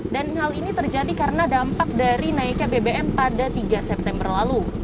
dan hal ini terjadi karena dampak dari naiknya bbm pada tiga september lalu